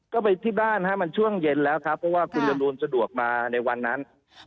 ก็ไปที่บ้านฮะมันช่วงเย็นแล้วครับเพราะว่าคุณจรูนสะดวกมาในวันนั้น